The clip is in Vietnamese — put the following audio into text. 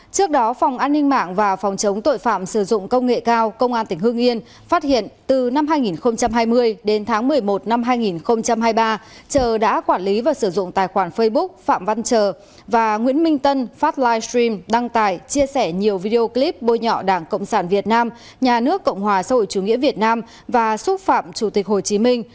trước đó phòng an ninh mạng và phòng chống tội phạm sử dụng công nghệ cao công an tỉnh hương yên phát hiện từ năm hai nghìn hai mươi đến tháng một mươi một năm hai nghìn hai mươi ba trờ đã quản lý và sử dụng tài khoản facebook phạm văn trờ và nguyễn minh tân phát livestream đăng tải chia sẻ nhiều video clip bôi nhọ đảng cộng sản việt nam nhà nước cộng hòa xã hội chủ nghĩa việt nam và xúc phạm chủ tịch hồ chí minh